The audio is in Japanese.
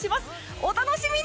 お楽しみに！